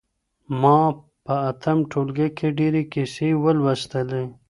ما په اتم ټولګي کي ډېرې کيسې ولوستلې.